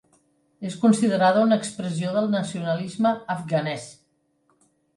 És considerada una expressió del nacionalisme afganès.